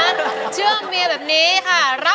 น่ะนะเชื่อเมียแบบนี้ค่ะ